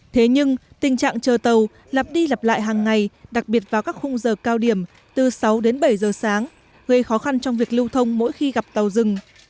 thế nhưng tình trạng chờ tàu lặp đi lặp lại hàng ngày đặc biệt vào các khung giờ cao điểm từ sáu đến bảy giờ sáng gây khó khăn trong việc lưu thông mỗi khi gặp tàu dừng